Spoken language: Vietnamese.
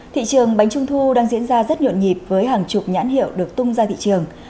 thị trường bánh trung thu đang diễn ra rất nhộn nhịp với hàng chục nhãn hiệu được tung ra thị trường